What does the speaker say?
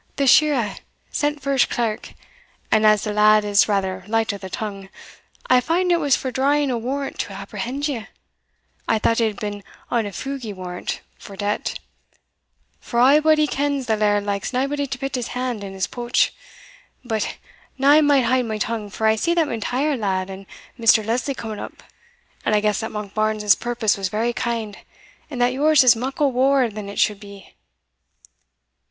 "The shirra sent for his clerk, and as the lad is rather light o' the tongue, I fand it was for drawing a warrant to apprehend you I thought it had been on a fugie warrant for debt; for a' body kens the laird likes naebody to pit his hand in his pouch But now I may haud my tongue, for I see the M'Intyre lad and Mr. Lesley coming up, and I guess that Monkbarns's purpose was very kind, and that yours is muckle waur than it should be."